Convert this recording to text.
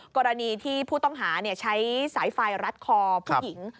กรณีที่ผู้ต้องหาใช้สายไฟรัดคอผู้หญิง